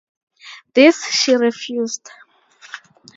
This she refused.